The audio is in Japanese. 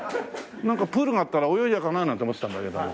プールがあったら泳いじゃおうかななんて思ってたんだけども。